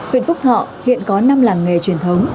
huyện phúc thọ hiện có năm làng nghề truyền thống